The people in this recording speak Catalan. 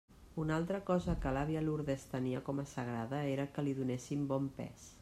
Una altra cosa que l'àvia Lourdes tenia com a sagrada era que li donessin bon pes.